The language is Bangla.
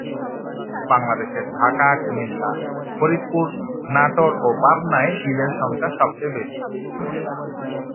বাংলাদেশের ঢাকা, কুমিল্লা, ফরিদপুর, নাটোর ও পাবনায় বিলের সংখ্যা সবচেয়ে বেশি।